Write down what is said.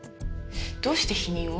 どうして否認を？